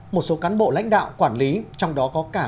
một số cán bộ lãnh đạo quản lý trong đó có các bộ